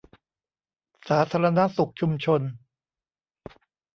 สาธารณสุขชุมชน